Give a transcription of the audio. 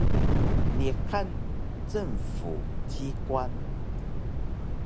Niqan cng-fu ci-kwan